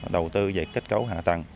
đầu tư về kết cấu hạ tầng